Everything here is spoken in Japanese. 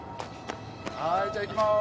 はいじゃあ行きます。